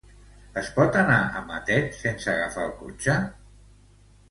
Es pot anar a Matet sense agafar el cotxe?